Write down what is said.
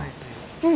うん。